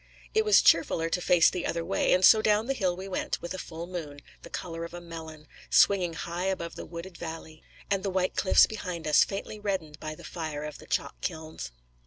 It was cheerfuller to face the other way, and so down the hill we went, with a full moon, the colour of a melon, swinging high above the wooded valley, and the white cliffs behind us faintly reddened by the fire of the chalk kilns.